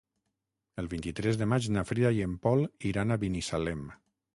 El vint-i-tres de maig na Frida i en Pol iran a Binissalem.